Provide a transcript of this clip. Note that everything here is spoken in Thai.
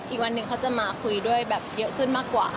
อีกวันหนึ่งเขาจะมาคุยด้วยแบบเยอะขึ้นมากกว่า